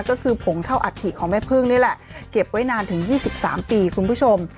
ก็คือผงเท่าอัฐิของแม่พึ่งนี่แหละเก็บไว้นานถึง๒๓ปีคุณผู้ชม